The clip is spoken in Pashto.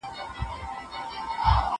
خواړه د زهشوم له خوا ورکول کيږي،